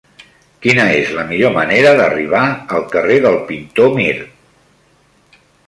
Quina és la millor manera d'arribar al carrer del Pintor Mir?